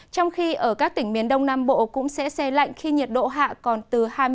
trong khi ở các tỉnh miền đông nam bộ cũng sẽ xe lạnh khi nhiệt độ hạ còn từ hai mươi